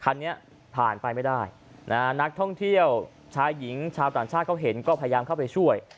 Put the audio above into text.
คันนี้ผ่านไปไม่ได้นะฮะนักท่องเที่ยวชายหญิงชาวต่างชาติเขาเห็นก็พยายามเข้าไปช่วย